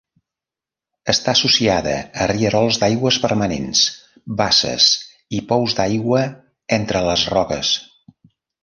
Està molt associada a rierols d'aigües permanents, basses i pous d'aigua entre les roques.